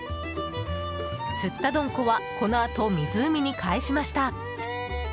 釣ったドンコはこのあと湖に返しました。